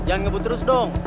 hei jangan ngebut terus dong